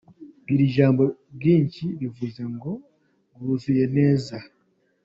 Iri jambo “bwinshi” bivuze ngo bwuzuye neza.